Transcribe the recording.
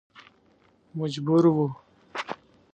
مجبور و.